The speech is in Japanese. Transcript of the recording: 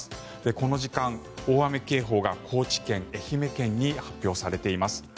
この時間、大雨警報が高知県、愛媛県に発表されています。